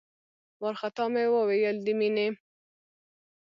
وارخطا مې وويل د مينې.